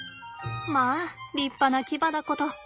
まあ立派な牙だこと。